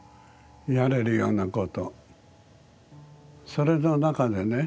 それの中でね